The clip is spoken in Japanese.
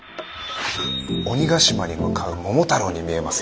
鬼ヶ島に向かう桃太郎に見えますよ。